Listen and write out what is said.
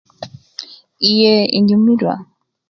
Yee inyumirwa